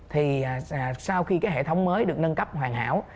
thì sau khi cái hệ thống mới được nâng cấp hoàn hảo